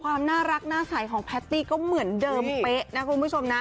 ความน่ารักหน้าใสของแพตตี้ก็เหมือนเดิมเป๊ะนะคุณผู้ชมนะ